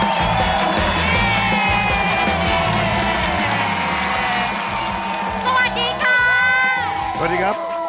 สวัสดีครับ